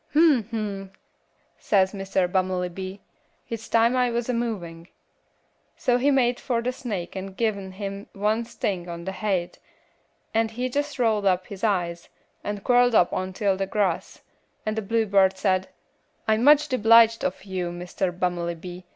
"'Hm! hm!' says Mr. Bummelybee, 'hit's time I was a movin',' so he made fur the snake and giv' him one sting on the haid, and he jess rolled up he eyes, and quirled up ontil the grass; and the bluebird said, 'I'm much debliged of you, Mr. Bummelybee.